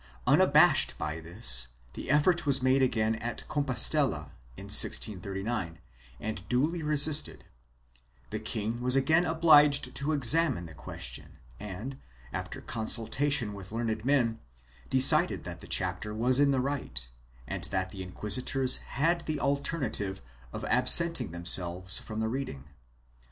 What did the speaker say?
Unabashed by this the effort was made again at Compostella, in 1639, and duly resisted; the king was again obliged to examine the question and, after consultation with learned men, decided that the chapter was in the right and that the inquisitors had the alternative of absenting themselves from the reading.